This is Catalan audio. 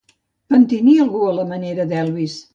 Pentini algú a la manera d'Elvis.